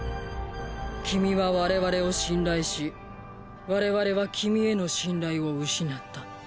君は我々を信頼し我々は君への信頼を失った。